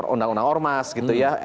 undang undang ormas gitu ya